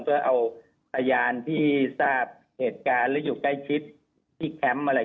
เพื่อเอาพยานที่ทราบเหตุการณ์หรืออยู่ใกล้ชิดที่แคมป์อะไร